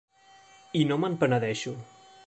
I no me'n penedeixo.